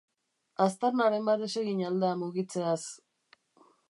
Aztarnaren bat desegin al da mugitzeaz?